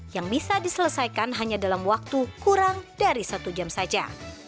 yang bisa diselesaikan hanya dalam waktu kurang dari satu jam saja